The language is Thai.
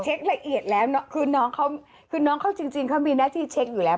เช็กละเอียดแล้วคือน้องเขาจริงเขามีหน้าที่เช็กอยู่แล้ว